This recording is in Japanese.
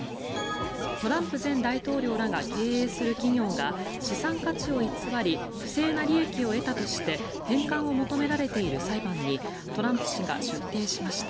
トランプ前大統領らが経営する企業が資産価値を偽り不正な利益を得たとして返還を求められている裁判にトランプ氏が出廷しました。